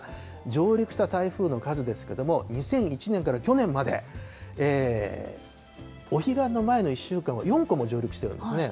上陸した台風の数ですけれども、２００１年から去年まで、お彼岸の前の１週間は４個も上陸してるんですね。